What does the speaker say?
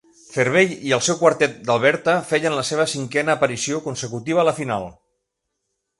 Ferbey i el seu quartet d'Alberta feien la seva cinquena aparició consecutiva a la final.